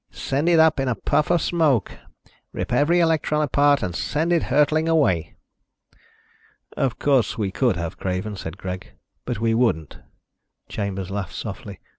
Send it up in a puff of smoke ... rip every electron apart and send it hurtling away." "Of course we could have, Craven," said Greg, "but we wouldn't." Chambers laughed softly.